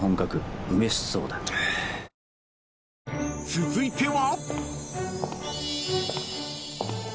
［続いては］